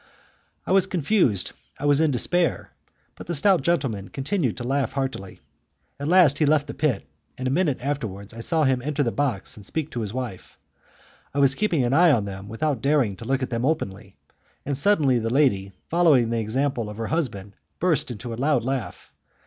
I was confused, I was in despair, but the stout gentleman continued to laugh heartily. At last he left the pit, and a minute afterwards I saw him enter the box and speak to his wife. I was keeping an eye on them without daring to look at them openly, and suddenly the lady, following the example of her husband, burst into a loud laugh.